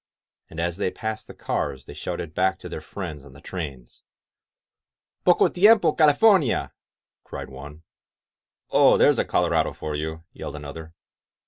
And as they passed the cars they shouted back to their friends on the trains. "Poco tiempo CaUfornial cried one. "Oh! there's a Colorado for you!" yelled another.